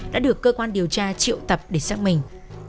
đã được cơ quan điều tra triệu tập để xác minh